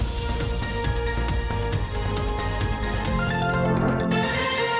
สวัสดีครับ